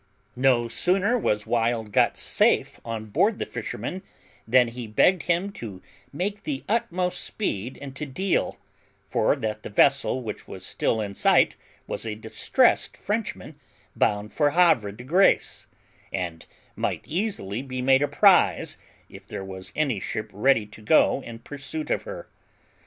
No sooner was Wild got safe on board the fisherman than he begged him to make the utmost speed into Deal, for that the vessel which was still in sight was a distressed Frenchman, bound for Havre de Grace, and might easily be made a prize if there was any ship ready to go in pursuit of her.